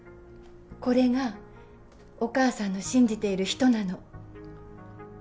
これがお母さんの信じている人なの。